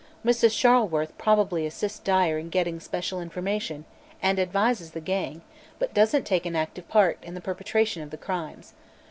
Mrs. Charleworth probably assists Dyer in getting special information, and advises the gang, but doesn't take an active part in the perpetration of the crimes.